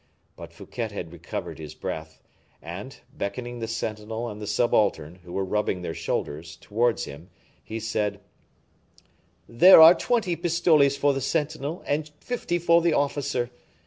But Fouquet had recovered his breath, and, beckoning the sentinel and the subaltern, who were rubbing their shoulders, towards him, he said, "There are twenty pistoles for the sentinel, and fifty for the officer.